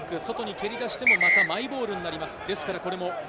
外に蹴り出してもまたマイボールになります。